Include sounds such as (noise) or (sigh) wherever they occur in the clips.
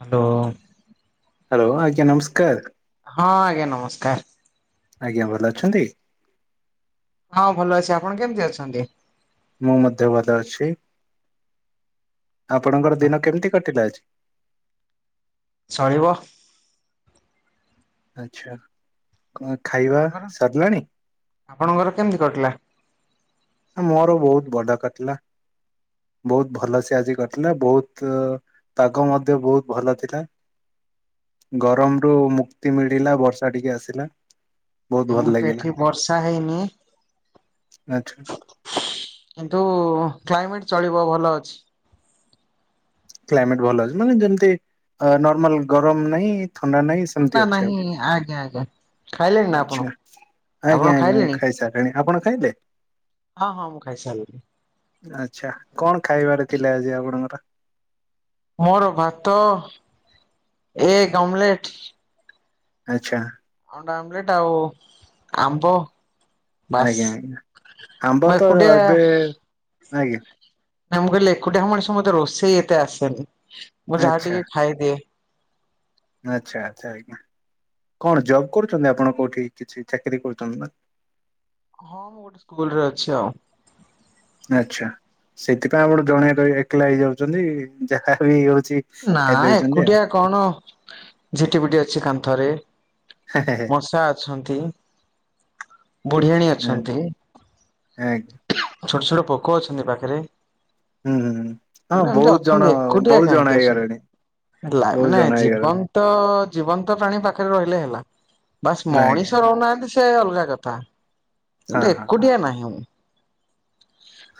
Hello. Hello ଆଜ୍ଞା ନମସ୍କାର। ହଁ ଆଜ୍ଞା ନମସ୍କାର। ଆଜ୍ଞା ଭଲ ଅଛନ୍ତି? ହଁ ଭଲ ଅଛି ଆପଣ କେମିତି ଅଛନ୍ତି? ମୁଁ ମଧ୍ୟ ଭଲ ଅଛି ଆପଣଙ୍କର ଦିନ କେମିତି କଟିଲା ଆଜି? ଚଳିବ। ଆଚ୍ଛା କଣ ଖାଇବା ଆପଣଙ୍କର ସରିଲାଣି? ଆପଣଙ୍କର କେମିତି କଟିଲା? ମୋର ବହୁତ୍ ବଡ଼ କଟିଲା ବହୁତ୍ ଭଲ ସେ ଆଜି କଟିଲା ବହୁତ୍ ପାଗ ମଧ୍ୟ ବହୁତ୍ ଭଲ ଥିଲା। ଗରମ ରୁ ମୁକ୍ତି ମିଳିଲା ବର୍ଷା ଟିକେ ଆସିଲା। ବହୁତ ଭଲ ମୁଁ ତ ଲାଗିଲା ଏଠି ବର୍ଷା ହେଇନି। ଆଚ୍ଛା। କିନ୍ତୁ କ୍ଲାଇମେଟ୍ ଚଳିବ ଭଲ ଅଛି। କ୍ଲାଇମେଟ୍ ଭଲ ଅଛି ମାନେ ଯେମତି ନର୍ମାଲ ଗରମ ନାହିଁ ଥଣ୍ଡା ନାହିଁ। ଥଣ୍ଡା ଏମିତି ଅଛି ନାହିଁ ଆଉ ଆଜ୍ଞା ଆଜ୍ଞା ଖାଇଲେଣି ନା ଆପଣ ଆଚ୍ଛା ଆପଣ ଆଜ୍ଞା ଆଜ୍ଞା ମୁଁ ଖାଇଲେଣି? ଖାଇସାରିଲିଣି। ନାଇଁ ଆପଣ ଖାଇଲେ। ହଁ ହଁ ମୁଁ ଖାଇ ସାରିଲିନି। ଆଚ୍ଛା କଣ ଖାଇବାରେ ଥିଲା ଆଜି ଆପଣଙ୍କର। ମୋର ଭାତ ଏଗ୍ ଆମ୍ଲେଟ୍। ଆଛା। ଅଣ୍ଡା ଆମ୍ଲେଟ ଆଉ ଆମ୍ବ। ବାସ୍ ଆଜ୍ଞା ଆଜ୍ଞା ଆମ୍ବ ମୁଁ ତ ଏକୁଟିଆ ଏବେ ଆଜ୍ଞା। ନାଇ ମୁଁ କହିଲି ଏକୁଟିାଆ ମଣିଷ ମତେ ରୋଷେଇ ଏତେ ଆସେନି ମୁଁ ଯାହା ଆଚ୍ଛା ଟିକେ ଖାଇଦିଏ। ଆଚ୍ଛା ଆଚ୍ଛା ଆଜ୍ଞା କଣ ଜବ୍ କରୁଛନ୍ତି ଆପଣ କୋଉଠି କିଛି ଚାକିରି କରୁଛନ୍ତି ନା। ହଁ ମୁଁ ଗୋଟେ ସ୍କୁଲ ରେ ଅଛି ଆଉ। ଆଚ୍ଛା ସେଥିପାଇଁ ଆପଣ ଜଣେ ଏକଲା ହେଇଯାଉଛନ୍ତି ଯାହା ବି ହେଉଛି। ନା ଏକୁଟିଆ କଣ ଝିଟି ପିଟି ଅଛି କାନ୍ଥରେ। ଆଜ୍ଞା ମଷା ଅଛନ୍ତି ବୁଢିଆଣୀ ଅଛନ୍ତି। (inaudible) ଛୋଟ ଛୋଟ ପୋକ ଅଛନ୍ତି ପାଖରେ। ହୁଁ ହୁଁ। ହଁ ଏମିତି ବହୁତ ଜଣ ଅଛନ୍ତି ଏକୁଟିଆ ବହୁତ ଜଣ କାହିଁକି ଆସ ହେଇଗଲେଣି ବହୁତ ଜଣ (unintelligible) ହେଇଗଲେଣି ଜୀବନ ତ ଜୀବନ୍ତ ପ୍ରାଣୀ ପାଖରେ ରହିଲେ ହେଲା ବାସ୍ ନା ଆଜ୍ଞା। ମଣିଷ ରହୁନାହାନ୍ତି ଏତ ଅଲଗା କଥା ହଁ କିନ୍ତୁ ହଁ ଏକୁଟିଆ ନାହିଁ ମୁଁ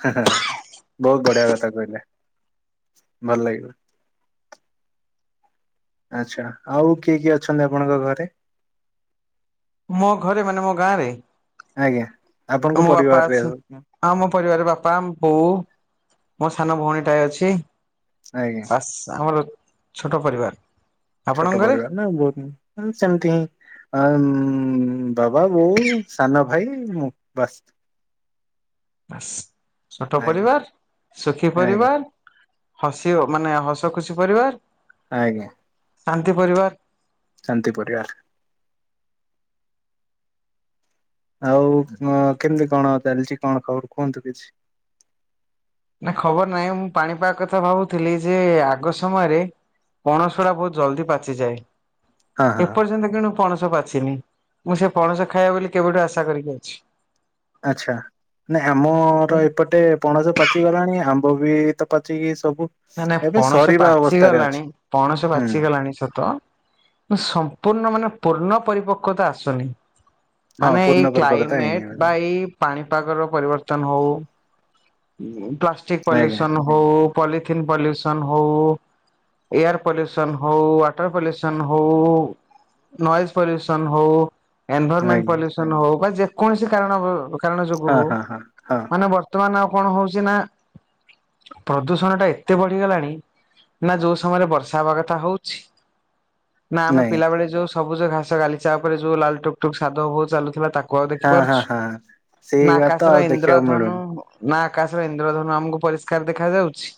ବହୁତ ବଢିଆ କଥା କହିଲେ ଭଲ ଲାଗିବ। ଆଚ୍ଛା ଆଉ କିଏ କିଏ ଅଛନ୍ତି ଆପଣଙ୍କ ଘରେ। ମୋ ଘରେ ମାନେ ମୋ ଗାଁ ରେ। ଆଜ୍ଞା ଆପଣଙ୍କ ପରିବାର ରେ ହଁ ମୋ ପରିବାର ବାପା ବୋଉ ମୋ ସାନ ଭଉଣୀଟାଏ ଅଛି ବାସ୍ ଆମର ଛୋଟ ପରିବାର ଆପଣଙ୍କ ଛୋଟ ଘରେ? ପରିବାର ନା ବହୁତ ସେମିତି ହିଁ ହ ବାବା ବୋଉ ସାନ ଭାଇ ମୁଁ ବାସ୍ ବାସ୍ ଛୋଟ ଆଜ୍ଞା ପରିବାର ସୁଖୀ ଆଜ୍ଞା ପରିବାର ହସିବ ମାନେ ହସ ଖୁସି ପରିବାର ଆଜ୍ଞା। ଶାନ୍ତି ପରିବାର। ଶାନ୍ତି ପରିବାର। ଆଉ କେମିତି କଣ ଚାଲିଛି କଣ ଖବର କୁହନ୍ତୁ କିଛି ନା ଖବର ନାହିଁ ମୁଁ ପାଣିପାଗ କଥା ଭାବୁଥିଲି ଯେ ଆଗ ସମୟରେ ପଣସ ଡା ବହୁତ ଜଲ୍ଦି ପାଚିଯାଏ। ହଁ ହଁ ଏପର୍ଯ୍ୟନ୍ତ କିଣୁ ପଣସ ପାଛିନି ମୁଁ ସେ ପଣସ ଖାଇବା ବୋଲି କେବେଠୁ ଆଶା କରିକି ଅଛି ଆଚ୍ଛା। ନାଇଁ ଆମର ଏପଟେ ପଣସ ପାଚିଗଲାଣି ଆମ୍ବ ବି ତ ପାଚିକି ସବୁ ନା ନା ଏବେ ପଣସ ସରିବା ପାଚି ଅବସ୍ଥାରେ ଅଛି ଗଲାଣି ପଣସ ହୁଁ ପାଚି ଗଲାଣି ସତ ସମ୍ପୂର୍ଣ୍ଣ ମାନେ ପୂର୍ଣ୍ଣ ପରିପକ୍ୱତା ଆସୁନି ହଁ ମାନେ ଏଇ ପୂର୍ଣ୍ଣ ପରିପକତା ହେଇନି କ୍ଲାଇମେଟ ବା ଏଇ ପାଣିପାଗର ପରିବର୍ତ୍ତନ ହଉ ପ୍ଲାଷ୍ଟିକ ଆଜ୍ଞା ପଲ୍ୟୁସନ ହଉ ପଲିଥିନ୍ ପଲ୍ୟୁସନ ହଉ ଏୟାର ପଲ୍ୟୁସନ୍ ହଉ ୱାଟର ପଲ୍ୟୁସନ୍ ହଉ ନଏଜ ପଲ୍ୟୁସନ୍ ହଉ ଏନଭରମେଣ୍ଟ ଆଜ୍ଞା ପଲ୍ୟୁସନ ହଉ ବା ଯେକୌଣସି କାରଣ କାରଣ ଯୋଗୁ ହଁ ହଉ ହଁ ହଁ ହଁ ମାନେ ବ ବର୍ତ୍ତମାନ ଆଉ କଣ ହଉଛି ନା, ପ୍ରଦୂଷଣ ଟା ଏତେ ବଢିଗଲାଣି ନା ଯୋଉ ସମୟରେ ବର୍ଷା ହେବା କଥା ହଉଛି ନା ଆମେ ନାଇଁ ପିଲାବେଳେ ଯୋଉ ସବୁଜ ଘାସ ଗାଲିଚ ଉପରେ ଯୋଉ ଲାଲଟୁକ ଟୁକ୍ ସାଧବ ବୋହୂ ଚାଲୁଥିଲା ତା କୁ ଆଉ ହଁ ହଁ ଦେଖିପାରୁଛୁ, ହଁ ସେଇ ନା ବା ତ ଆକାଶର ଆଉ ଦେଖିବାକୁ ଇନ୍ଦ୍ରଧନୁ ମିଳୁନି ନା ଆକାଶର ଇନ୍ଦ୍ରଧନ ଆମକୁ ପରିଷ୍କାର ଦେଖା ଯାଉଛି।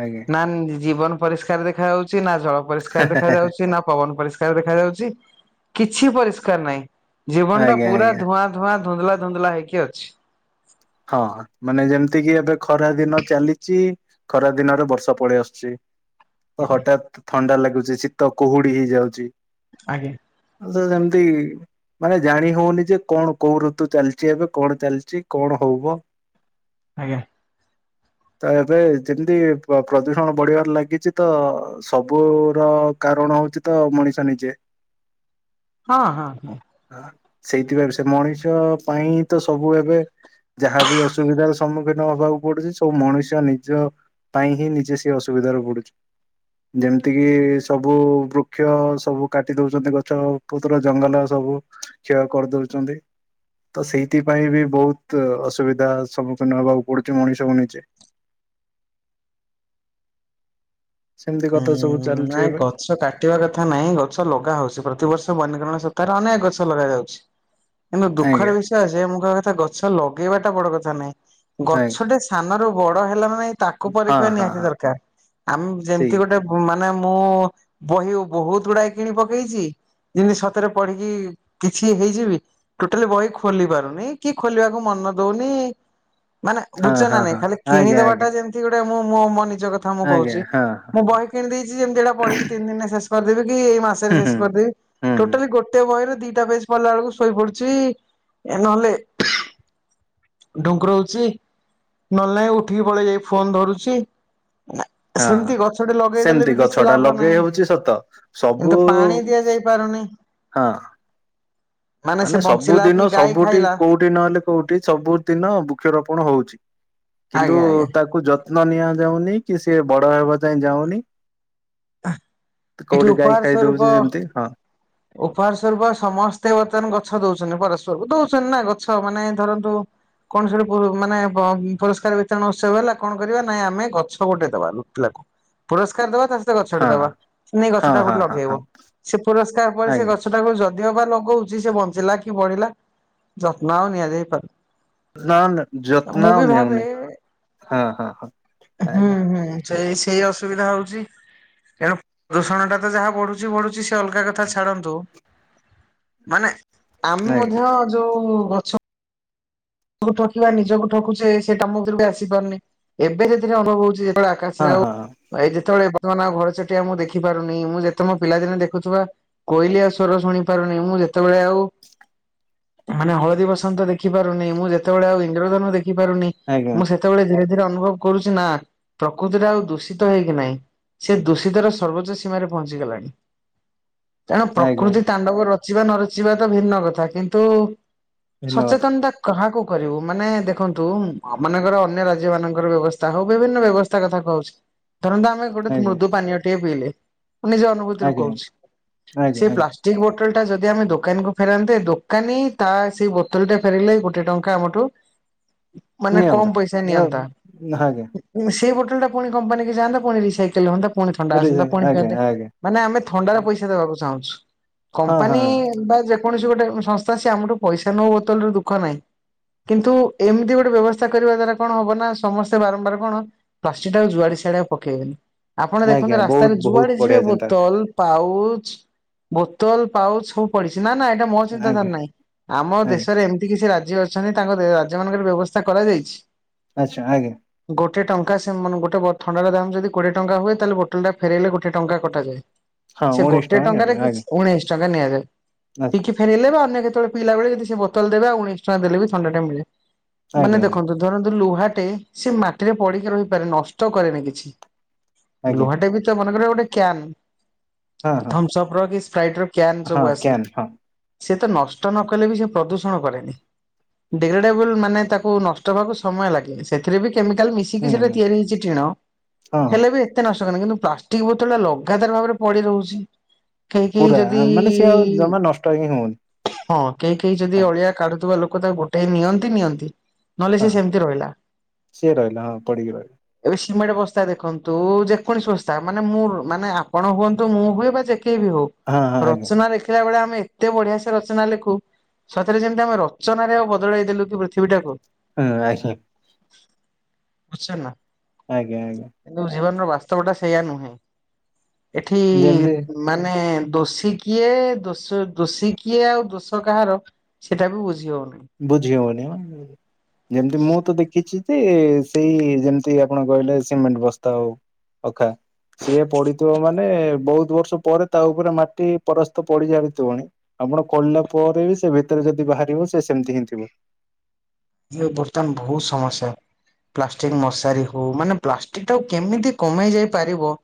ଆଜ୍ଞା। ନା ଜୀବନ ପରିଷ୍କାର ଦେଖା ଯାଉଛି, ନା ଜଳ ପରିଷ୍କାର ଦେଖା ଯାଉଛି ନା, ପବନ ପରିଷ୍କାର ଦେଖାଯାଉଛି, କିଛି ପରିଷ୍କାର ନାହିଁ। ଜୀବନ ଟା ଆଜ୍ଞା ପୁରା ଆଜ୍ଞା ଧୂଆଁ ଧୂଆଁ ଧୁନ୍ଦଲା ଧୁନ୍ଦଲା ହେଇକି ଅଛି। ହଁ ମାନେ ଯେମିତି କିି ଏବେ ଖରା ଦିନ ଚାଲିଛି ଖରା ଦିନରେ ବର୍ଷା ପଳେଇ ଆସୁଛି। ଓ ହଠାତ୍ ଥଣ୍ଡା ଲାଗୁଚି। ଶୀତ କୁହୁଡି ହେଇଯାଉଛି। ଆଜ୍ଞା। ଆ ତ ଯେମିତି ମାନେ ଜାଣି ହଉନି ଯେ କଣ କୋଉ ଋତୁ ଚାଲିଛି ଏବେ, କଣ ଚାଲିଛି, କଣ ହଉବ। ଆଜ୍ଞା। ତ ଏବେ ଯେମିତି ପ୍ରଦୂଷଣ ବଢିବାରେ ଲାଗିଛି ତ ସବୁର କାରଣ ହଉଛି ତ ମଣିଷ ନିଜେ। ହଁ। ହଁ। ହଁ। ସେଇଥିପାଇ ସେ ମଣିଷ ପାଇଁ ତ ସବୁ ଏବେ ଯାହାବି ଅସୁବିଧାର ସମ୍ମୁଖୀନ ହବାକୁ ପଡୁଛି ସବୁ ମଣିଷ ନିଜ ପାଇଁ ହିଁ ନିଜେ ସେ ଅସୁବିଧାରେ ପଡୁଛି। ଯେମିତିକି ସବୁ ବୃକ୍ଷ ସବୁ କାଟି ଦଉଛନ୍ତି ଗଛ ପତ୍ର ଜଙ୍ଗଲ ସବୁ କ୍ଷୟ କରିଦଉଛନ୍ତି। ତ ସେଇଥିପାଇଁ ବି ବହୁତ ବହୁତ୍ ଅସୁବିଧା ସମ୍ମୁଖୀନ ହେବାକୁ ପଡୁଛି ମଣିଷକୁ ନିଜେ। ସେମିତି କଥା ସବୁ ହୁଁ ଚାଲିଛି ନାଇଁ ଗ ଏବେ ଗଛ କାଟିବା କଥା ନାହିଁ, ଗଛ ଲଗା ହଉଛି। ପ୍ରତିବର୍ଷ ବନ୍ୟକରଣ ସପ୍ତାହରେ ଅନେକ ଗଛ ଲଗା ଯାଉଛି। (inaudible) କିନ୍ତୁ ଦୁଃଖର ଆଜ୍ଞା ବିଷୟ ଯେ ମୁଁ କହିବା କଥା ଗଛ ଲଗେଇବାଟା ବଡ କଥା ନାହିଁ। ଆଜ୍ଞା ଗଛଟେ ସାନରୁ ବଡ ହେଲା ମାନେ ତାକୁ ହଁ ପରୀଖିବା ହଁ ନିହାତି ହଁ ଦରକାର। ଆମେ ଯେମତି ସେଇ ମାନେ ମୁଁ ବହି ବହୁତ ଗୁଡାଏ କିଣି ପକେଇଛି। ଯେମିତି ସତରେ ପଢିକି କିଛି ହେଇଯିବି। ଟୋଟାଲି ବହି ଖୋଲି ପାରୁନି, କି ଖୋଲିବାକୁ ମନ ଦଉନି। ମାନେ ହଁ ବୁଝୁଚ ନା ହଁ ନାଇଁ ହଁ ଖାଲି ଆଜ୍ଞା ଆଜ୍ଞା କିଣିଦବାଟା ଯେମିତି ଗୋଟେ ମୁଁ ମୋ ମୋ ନିଜ କ ଆଜ୍ଞା ହଁ। ହଁ ମୁଁ ହଁ ବହି କିଣିଦେଇଛି ଯେମିତି ଏଟା ପଢିକି ତିନି ଦିନରେ ଶେଷ କରିଦେବି କି, ଏଇ ମାସରେ ହୁଁ ହୁଁ ଶେଷ କରିଦେବି। ହୁଁ ହୁଁ ଟୋଟାଲି ଗୋଟେ ବହିରେ ଦିଟା ପେଜ ପଢିଲା ବେଳକୁ ଶୋଇପଡୁଛି ନହେଲେ ଢୁଙ୍କରୋଉଛି, ନହେଲେ ନାହିଁ ଉଠିକି ପଳେଇ ଯାଇ ଫୋନ ଧରୁଛି। ନା ହଁ ସେମିତି ଗ ସେମିତି ଗଛ ଟା ଲଗେଇ ହଉଛି ସତ। କିନ୍ତୁ ସବୁ ପାଣି ଦିଆଯାଇ ପାରୁନି। ହଁ। ସେ ମାନେ ବଞ୍ଚିଲା କି ସବୁଦିନ ଗାଈ ସବୁଠି କୋଉଠି ଖାଇଲା କୋଉଠି ନହେଲେ କୋଉଠି ସବୁ ଦିନ ବୃକ୍ଷରୋପଣ ହଉଛି କିନ୍ତୁ ଆଜ୍ଞା ଆଜ୍ଞା ତାକୁ ଯ ତ୍ନ ନିଆ ଯାଉନି, କି ସିଏ ବଡ ହେବା ଯାଏ ଯାଉନି। (unintelligible) କୋଉଠି ଗାଈ ଉପହାର ଖାଇଦଉଛି ସ୍ୱରୂପ ଯେମିତି ହଁ। ଉପହାର ସ୍ୱରୂପ ସମସ୍ତେ ବର୍ତ୍ତମାନ ଗଛ ଦଉଛନ୍ତି ପରସ୍ପର କୁ ଦଉଛନ୍ତି ନା ଗଛ ମାନେ ଧରନ୍ତୁ କଣ ସେଠୁ ମାନେ ପୁରସ୍କାର ବିତରଣ ଉତ୍ସବ ହେଲା କଣ କରିବା ନାଇଁ ଆମେ ଗଛ ଗୋଟେ ଦବା ଲୁଟିଲାକୁ ପୁରସ୍କାର ଦବା ତା ସହିତ ଗଛଟେ ହଁ ଦବା ନେଇ ହଁ ଗଛଟା ହଁ ଗୋଟେ ହଁ ହଁ ଲଗେଇବ ସେ ପୁରସ୍କାର ପରେ ସେ ଆଜ୍ଞା। ଗଛ ସେଟାକୁ ଯଦି ଓବା ଲଗୋଉଚି ସେ ବଞ୍ଚିଲା କି ବଢିଲା ଯତ୍ନ ଆଉ ନିଆଯାଇପାରୁନି ନା ନା ଯତ୍ନ ମୁଁ ଆଉ ବି ଭାବେ ନେଉନି ହଁ ହଁ ହଁ ହୁଁ ଆଜ୍ଞା ହୁଁ। ସେଇ ସେଇ ଅସୁବିଧା ହଉଚି ତେଣୁ ରୋଷଣଟା ତ ଯାହା ବଢ଼ୁଚି ବଢୁଚି ସେ ଅଲଗା କଥା ଛାଡ଼ନ୍ତୁ ମାନେ ଆମେ ଆଜ୍ଞା ମଧ୍ୟ ଯୋଉ ଗଛ ଠକିବା ନିଜକୁ ଠକୁଚେ ସେଇକାମ ଭିତରେ ଆସି ପାରୁନେ ଏବେ ସେଥିରେ ଅନୁଭବ ହଉଚି। (unintelligible) ହଁ ଆସିଲେ ଆଉ ହଁ ହଁ। ଏ ଯେତେବେଳେ ବର୍ତ୍ତମାନେ ଆଉ ଘର ଚଟିଆ ମୁଁ ଦେଖିପାରୁନି ମୁଁ ଯେତେ ମୋ ପିଲାଦିନେ ଦେଖୁଥିବା କୋଇଲିଆ ସ୍ୱର ଶୁଣିପାରୁନି ମୁଁ ଯେତେବେଳେ ଆଉ ମାନେ ହଳଦୀ ବସନ୍ତ ଦେଖିପାରୁନି ମୁଁ ଯେତେବେଳେ ଆଉ ଇନ୍ଦ୍ରଧନୁ ଦେଖି ପାରୁନି ଆଜ୍ଞା ମୁଁ ସେ ସେତେବେଳେ ଧୀରେ ଧୀରେ ଅନୁଭବ କରୁଚି ନା। ଲ ପ୍ରକୃତିରେ ଆଉ ଦୂଷିତ ହେଇକି ନାହିଁ ସେ ଦୂଷିତର ସର୍ବୋଚ୍ଚ ସୀମାରେ ପହଞ୍ଚିଗଲାଣି (inaudible) ତାହା ଆଜ୍ଞା ପ୍ରକୃତି ତାଣ୍ଡବ ରଚିବା ନ ରଚିବା ତ ଭିନ୍ନ କଥା କିନ୍ତୁ ଧନ୍ୟବାଦ ସଚେତନତା କାହାକୁ କରିବୁ ମାନେ ଦେଖନ୍ତୁ ମନେଙ୍କର ଅନ୍ୟ ରାଜ୍ୟ ମାନଙ୍କର ବ୍ୟବସ୍ଥା ହଉ ବିଭିନ୍ନ ବ୍ୟବସ୍ଥା ଗୋଟେ କଥା କହୁଚି ଧରନ୍ତୁ ଆମେ ଗୋଟେ ଆଜ୍ଞା ମୃଦୁ ପାନୀୟ ଟିଏ ପିଇଲେ ନିଜ ଅନୁଭବ ଭୂତିରୁ ଆଜ୍ଞା ଆଜ୍ଞା କହୁଚି ଆଜ୍ଞା ପ୍ଲାଷ୍ଟିକ ବୋଟଲ ଟା ଯଦି ଆମେ ଦୋକାନୀକୁ ଫେରାନ୍ତେ ଦୋକାନୀ ତା ସେଇ ବୋତଲଟା ଫେରେଇଲେ ଗୋ ଗୋଟେ ଟଙ୍କା ଆମଠୁ ମାନେ କମ ନିଅନ୍ତୁ। ପଇସା ନିଅନ୍ତା ଆଜ୍ଞା ସେ ବଟଲ ଟା ପୁଣି କମ୍ପାନୀକୁ ଯାଆନ୍ତା ପୁଣି ରିସାଇକେଲ ହଅନ୍ତା ପୁଣି ଥଣ୍ଡା ଆସନ୍ତା ପୁଣି ପିଅନ୍ତେ ଆଜ୍ଞା ଆଜ୍ଞା। ମାନେ ଆମେ ଥଣ୍ଡାର ପଇସା ଦେବାକୁ ଚାହୁଁଚୁ ହଁ ହଁ କମ୍ପାନୀ ହଁ ବା ଯେକୌଣସି ଗୋଟେ ସଂସ୍ଥାସେ ଆମଠୁ ପଇସା ନେଉ ବୋତଲରୁ ଦୁଃଖ ନାହିଁ କିନ୍ତୁ ଏମିତି ଗୋଟେ ବ୍ୟବସ୍ଥା କରିବା ଦ୍ଵାରା କଣ ହବ ନା। ସମସ୍ତେ ବାରମ୍ବାର କଣ ପ୍ଲାଷ୍ଟିକ ଟାକୁ ଜୁଆଡେ ସିଆଡେ ପକେଇବେନି ଆପଣ ଦେଖନ୍ତୁ ଆଜ୍ଞା ରାସ୍ତାରେ ବହୁତ ବହୁତ ଯୁଆଡେ ଯିବେ ବଢିଆ ଚିନ୍ତା ବୋତଲ ପାଉଚୁ ବୋତଲ ପାଉଚୁ ହୁ ପଡିଚି ନା ନା ଏଇଟା ମୋ ଚିନ୍ତାଧାର ଆଜ୍ଞା ନାହିଁ ଆମ ଆଜ୍ଞା। ଦେଶରେ ଏମିତି କିଛି ରାଜ୍ୟ ଅଛି ଅଛନ୍ତି ତାଙ୍କ ରାଜ୍ୟ ମାନଙ୍କରେ ବ୍ୟବସ୍ଥା କରାଯାଇଚି ଆଚ୍ଛା ଆଜ୍ଞା। ଗୋଟେ ଟଙ୍କା ସେମାନେ ଗୋଟେ ବଟ ଥଣ୍ଡାର ଦାମ ଯଦି କୋଡିଏ ଟଙ୍କା ହୁଏ ତାହେଲେ ବୋଟଲ ଟା ଫେରାଇଲେ ଗୋଟେ ଟଙ୍କା କଟାଯାଏ। ହଁ ସେ ଉଣେଇଶ ଗୋଟେ ଟଙ୍କା ଟଙ୍କାରେ ନେବେ କିଛି ଆଜ୍ଞା ଉଣେଇସି ଟଙ୍କା ନିଆଯାଏ ଆଚ୍ଛା ଟିକେ ଫେରେଇଲେ ବା ଅନ୍ୟ କେତେବେଳେ ପିଇଲା ବେଳେ ଯଦି ସେ ବୋତଲ ଦେବେ ଆଉ ଉଣେଇଶି ଟା (unintelligible) ଦେଲେ ବି ଥଣ୍ଡା ଟା ମିଳେ ମାନେ ଆଜ୍ଞା ଆଜ୍ଞା ଦେଖନ୍ତୁ ଧରନ୍ତୁ ଲୁହାଟେ ସେ ମାଟିରେ ପଡିକି ରହିପାରେ ନଷ୍ଟ କରେନି କିଛି ଆଜ୍ଞା ଲୁହାଟେ ବି ତ ମନେକର ଗୋଟେ ହଁ କ୍ୟାନ ହଁ ଥମ୍ସସପ ର କି ସ୍ପାଇଟି ର କ୍ୟାନ ସବୁ ହଁ ଆସେ କ୍ୟାନ୍ ହଁ ସେ ତ ନଷ୍ଟ ନ କଲେ ବି ସେ ପ୍ରଦୂଷଣ କରେନି ଡେଲଡେବୁଲୁ ମାନେ ତାକୁ ନଷ୍ଟ ହେବାକୁ ସମୟ ଲାଗ ସେଥିରେ ବି କେମିକାଲ ମି ହୁଁ କି ସେଟା ହୁଁ ତିଆରି ହେଇଚି ଟିଣ ହଁ ହଁ ହେଲେ ବି ହେତେ ନଷ୍ଟ ନାହିଁ କିନ୍ତୁ ପ୍ଲାଷ୍ଟିକ ବୋତଲ ଟା ଲଗାତାର ଭାବରେ ପଡି ରହୁଚି କେହି କେହି ପୁରା ଯଦି ମାନେ ସିଏ ଆଉ ଜମା ନଷ୍ଟ ହିଁ ହଉନି ହଁ କେହି କେହି ଯଦି ହଁ ଅଳିଆ କାଢୁଥିବା ଲୋକ ତାକୁ ଗୋଟେ ଇ ନିଅନ୍ତି ନିଅନ୍ତି ନହେଲେ ହଁ ସେ ସେମିତି ରହିଲା। ସିଏ ରହିଲା ହଁ ପଡିକି ରହିଲା ଏବେ ସିମେଣ୍ଟ ବସ୍ତା ଦେଖନ୍ତୁ। ଯେକୌଣସି ବସ୍ତା ମାନେ ମୁଁ ମାନେ ଆପଣ ହୁଅନ୍ତୁ। ମୁଁ ହୁଏ ବା ଯେକେହି ବି ହଉ। ହଁ ହଁ ଆଜ୍ଞା ରଚନା ଲେଖିଲା ବେଳେ ଆମେ ଏତେ ବଢିଆ ସେ ରଚନା ଲେଖୁ। ସତରେ ଯେମିତି ଆମେ ସୂଚନାରେ ଆଉ ବଦଳାଇ ଦେଲୁ, କି ପୃଥିବୀଟାକୁ। ହୁଁ ଆଜ୍ଞ (unintelligible) ବୁଝଛ ନା (unintelligible) ଆଜ୍ଞା, ଆଜ୍ଞା। ବୁଝିପାରୁନୁ ବାସ୍ତବ ଟା ସେଇୟା ନୁହେଁ ଏଠି ଯେମିତି ମାନେ ଦୋଷୀ କିଏ ଦୋଷ ଦୋଷୀ କିଏ ଆଉ ଦୋଷ କାହାର ସେଟା ବି ବୁଝି ହଉନି। ବୁଝି ହଉନି ଯେମିତି ମୁଁ ତ ଦେଖିଛି ସେ ସେଇ ଯେମିତି ଆପଣ କହିଲେ ସିମେଣ୍ଟ ବସ୍ତା ହଉ ଅଖା ସିଏ ପଡିଥିବ ମାନେ ବହୁତ ବର୍ଷ ପରେ ତା ଉପରେ ମାଟି ପରସ୍ତ ପଡି ସାରିଥିବଣି। ଆପଣ କରଲା ପରେ ବି ସେ ଭିତରେ ଯଦି ବାହାରିବ ସେ ସେମିତି ହିଁ ଥିବ। ଇଏ ବର୍ତ୍ତମାନ ବହୁତ ସମସ୍ୟା। ପ୍ଲାଷ୍ଟିକ ମଶାରି ହଉ ମାନେ ପ୍ଲାଷ୍ଟିକ ଟାକୁ କେମିତି କମେଇ ଯାଇ ପାରିବ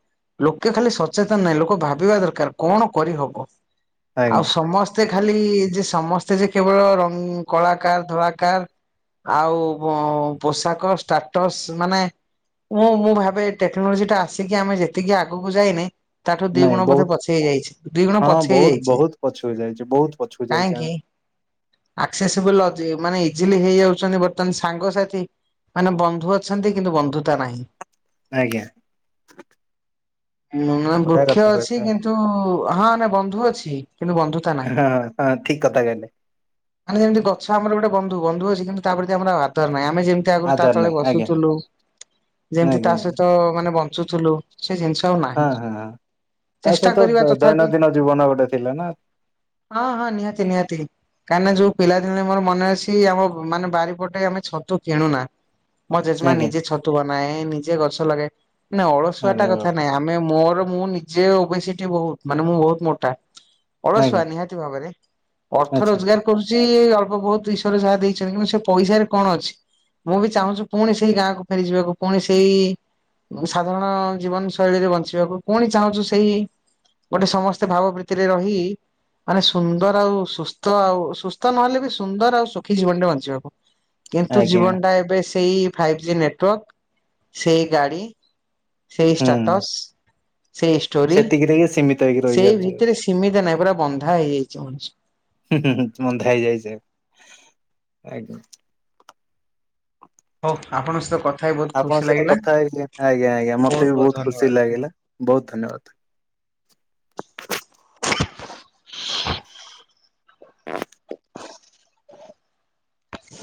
ଲୋକେ ଖାଲି ସଚେତନ ନାଇଁ ଲୋକ ଭାବିବା ଦରକାର କଣ କରିହବ। ଆଜ୍ଞା ଆଉ ସମସ୍ତେ ଖାଲି ସମସ୍ତେ ଯେ କେବଳ ରଙ୍ଗ କଳାକାର ଧଳାକାର ଆଉ ପୋଷାକ ଷ୍ଟାଟସ୍ ମାନେ ମୁଁ ମୁଁ ଭାବେ ଟେକ୍ନୋଲୋଜି ଟା ଆସିକି ଆମେ ଯେତିକି ଆଗକୁ ଯାଇନେ ତାଠୁ ଦି ନାଇଁ ଗୁଣ ବୋଧେ ବହୁତ ପଛେଇ ଯାଇଛି ଦି ଗୁଣ ହଁ ପଛେଇ ହେଇ ବହୁତ ଯାଇଛେ ବହୁତ କାହିଁକି ହ ଆକ୍ସେସିବଲ ଅଛି ମାନେ ଇଜିଲି ହେଇଯାଉଛନ୍ତି ବର୍ତ୍ତମାନ ସାଙ୍ଗସାଥି ମାନେ ବନ୍ଧୁ ଅଛନ୍ତି କିନ୍ତୁ ବନ୍ଧୁତା ନାହିଁ। ଆଜ୍ଞା। ନାଁ ଗୋଟାଏ ବୃକ୍ଷ କଥା ଅଛି କହିଲେ କିନ୍ତୁ ହଁ ନାଇଁ ବନ୍ଧୁ ଅଛି କିନ୍ତୁ ବନ୍ଧୁତା ନାହିଁ। ହଁ ହଁ ଠିକ କଥା କହିଲେ। ମାନେ ଯେମିତି ଗଛ ଆମର ଗୋଟେ ବନ୍ଧୁ ବନ୍ଧୁ ଅଛି କିନ୍ତୁ ତା ପ୍ରତି ଆମର ଆଉ ଆ ତାର ନାଁଇ ଆମେ ଯେମିତି ଆଗରୁ ତା ଆଧାର ତଳେ ନାହିଁ ଆଜ୍ଞା ବସୁଥିଲୁ ଯେମତି ତା ଆଜ୍ଞା ସହିତ ମାନେ ବ ବୁଝୁ ଥୁଲୁ। ସେ ଜିନିଷ ଆଉ ହଁ ନାହିଁ ହଁ ହଁ ତା ଚେଷ୍ଟା ସହିତ କରିବା ତଥାପି। ଦୈନନ୍ଦିନ ଜୀବନ ଗୋଟେ ଥିଲା ନା ହଁ ହଁ ନିହାତି ନିହାତି କାହିଁକିନା ଯୋଉ ପିଲାଦିନରେ ମୋର ମନେ ଅଛି ଆମ ମାନେ ବାରିପଟେ ଆମେ ଛତୁ କିଣୁନା ମ ଜେଜେମା ଆଜ୍ଞା ନିଜେ ଛ ତୋ ଆମେ ନିଜେ ଗଛ ଲଗେ ନାଁ ଅଳସୁଆ ଆରେ ଟା କଥା ବାବା ନାଇଁ ମାନେ ମୋର ମୁଁ ନିଜେ ଓବେସିଟି ବହୁତ ମାନେ ମୁଁ ବହୁତ ମୋଟା ଅଳସୁଆ ଆଜ୍ଞା ନିହାତି ଭାବରେ ଅର୍ଥ ଆଚ୍ଛା ରୋଜଗାର କରୁଛି ଅଳ୍ପ ବହୁତ ଈଶ୍ଵର ଯାହା ଦେଇ କିନ୍ତୁ ସେ ପଇସାରେ କଣ ଅଛି ମୁଁ ବି ଚାହୁଁଛିୁ ପୁଣି ସେଇ ଗାଁକୁ ଫେରି ଯିବାକୁ ପୁଣି ସେଇ ସାଧାରଣ ଜୀବନ ଶୈଳୀରେ ବଞ୍ଚିବାକୁ ପୁଣି ଚାହୁଁଛୁ ସେଇ ଗୋଟେ ସମସ୍ତେ ଭାବ ପ୍ରୀତିରେ ରହି ମାନେ ସୁନ୍ଦର ଆଉ ସୁସ୍ଥ ଆଉ ସୁସ୍ଥ ନହେଲେ ବି ସୁନ୍ଦର ଆଉ ଶୁଖିଯିବନ ବଞ୍ଚିହବ କିନ୍ତୁ ଆଜ୍ଞା ଜୀବନଟା ଏବେ ସେଇ ଫାଇଭ୍ ଜି ନେଟୱାର୍କ ସେଇ ଗାଡ଼ି ସେଇ ହୁଁ ଷ୍ଟାଟସ୍ ସେଇ ଷ୍ଟୋରି ସେତିକିରେ ହିଁ ସୀମିତ ହେଇକି ସେଇ ରହିଯାଉଛି ହୁଁ ଭିତରେ ସୀମିତ ନାହିଁ ପୁରା ବନ୍ଧା ହେଇଯାଇଛି ମଣିଷ। ହୁଁ ହୁଁ ହୁଁ ବନ୍ଧା ହେଇଯାଇଚେ ଆଜ୍ଞା। ହଉ ଆପଣଙ୍କ ସହିତ କ ଆପଣଙ୍କ ସହିତ କଥା ହେଇ ଆଜ୍ଞା ଆଜ୍ଞା ମତେ ବି ବହୁତ ଖୁସି ଲାଗିଲା ବହୁତ ଧନ୍ୟବାଦ। ହ